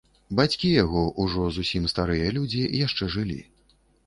Бацькі яго, ужо зусім старыя людзі, яшчэ жылі.